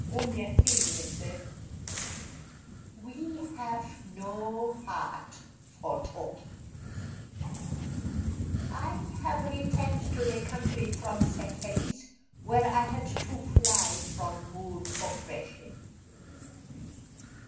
Umyethile said: "We have no heart for talking. I have returned to the country from Sechelis, where I had to fly from Boer oppression.